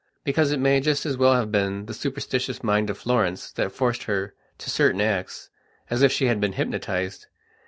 Because it may just as well have been the superstitious mind of Florence that forced her to certain acts, as if she had been hypnotized.